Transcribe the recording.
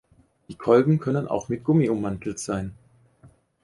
Die Kolben können auch mit Gummi ummantelt sein.